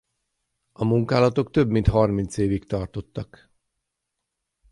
A munkálatok több mint harminc évig tartottak.